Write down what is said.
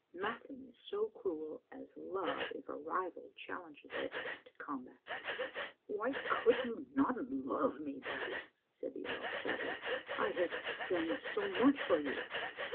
Nothing is so cruel as love if a rival challenges it to combat. "Why could you not love me, Babbie?" said the earl sadly. " I have done so much for you."